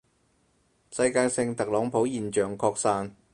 世界性特朗普現象擴散